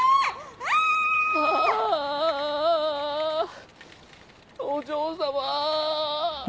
ああお嬢様！